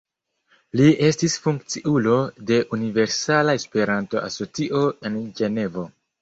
Li estis funkciulo de Universala Esperanto-Asocio en Ĝenevo.